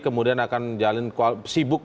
kemudian akan sibuk